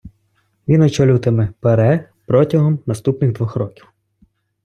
Він очолюватиме ПАРЄ протягом наступних двох років.